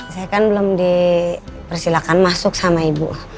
saya kan belum dipersilakan masuk sama ibu